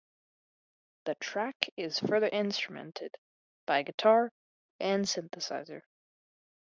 The track is further instrumented by guitar and synthesizer.